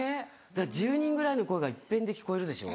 １０人ぐらいの声が一遍で聞こえるでしょ。